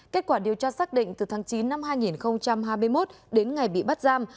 kết quả điều tra xác định từ tháng chín năm hai nghìn hai mươi một đến ngày bị bắt giam